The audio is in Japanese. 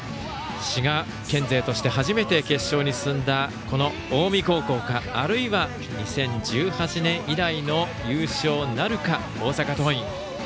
滋賀県勢として初めて決勝に進んだ近江高校かあるいは２０１８年以来の優勝なるか、大阪桐蔭。